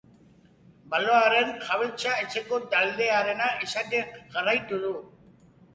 Baloiaren jabetzak etxeko taldearena izaten jarraitu du.